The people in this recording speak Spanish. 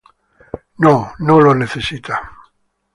No, no lo necesita.